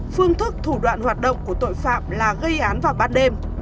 phương thức thủ đoạn hoạt động của tội phạm là gây án vào bát đêm